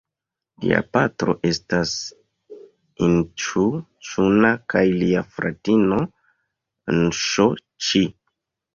Lia patro estas Inĉu-ĉuna kaj lia fratino Nŝo-ĉi.